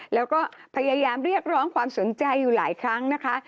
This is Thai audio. แล้วก็พยายามเรียกร้องความสนใจอยู่หลายครั้งนะคะ